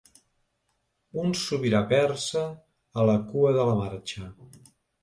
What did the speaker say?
Un sobirà persa a la cua de la marxa.